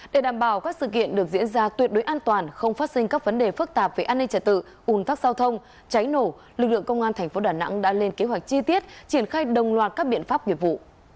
để đảm bảo các sự kiện được diễn ra tuyệt đối an toàn không phát sinh các vấn đề phức tạp về an ninh trả tự ủn tắc giao thông cháy nổ lực lượng công an tp đà nẵng đã lên kế hoạch chi tiết triển khai đồng loạt các biện pháp nghiệp vụ